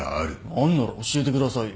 あんなら教えてくださいよ。